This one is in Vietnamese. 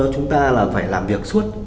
chúng ta phải làm việc suốt